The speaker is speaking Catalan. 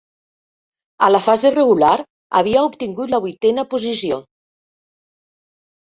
A la fase regular havia obtingut la vuitena posició.